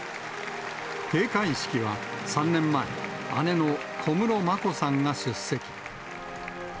閉会式は３年前、姉の小室眞子さんが出席。